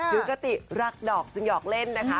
ปกติรักดอกจึงหยอกเล่นนะคะ